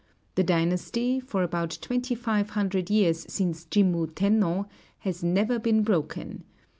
The dynasty, for about twenty five hundred years since Jimmu Tenno, has never been broken.